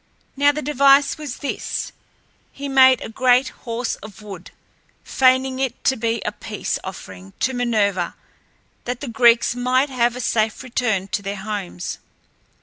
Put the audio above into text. Now the device was this: he made a great horse of wood, feigning it to be a peace offering to Minerva, that the Greeks might have a safe return to their homes.